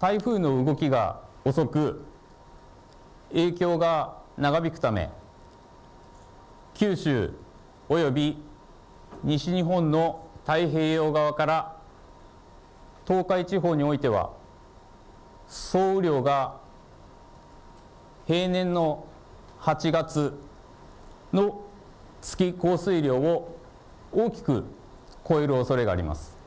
台風の動きが遅く影響が長引くため九州および西日本の太平洋側から東海地方においては総雨量が平年の８月の月降水量を大きく超えるおそれがあります。